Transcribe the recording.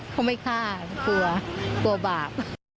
เขาไม่ฆ่ากลัวบาป